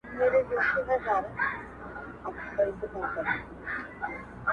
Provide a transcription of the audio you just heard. دا چي مي تر سترګو میکده میکده کيږې,